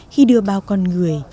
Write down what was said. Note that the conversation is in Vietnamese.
khi đưa bao con người